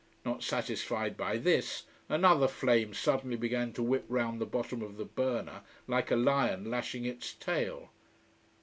Not satisfied by this, another flame suddenly began to whip round the bottom of the burner, like a lion lashing its tail.